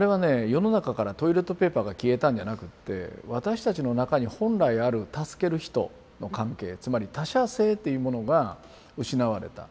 世の中からトイレットペーパーが消えたんじゃなくって私たちの中に本来ある助ける人の関係つまり「他者性」というものが失われた。